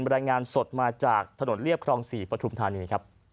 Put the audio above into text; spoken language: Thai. บรรยายงานสดมาจากถนนเลียบคลอง๔ประทุมธานี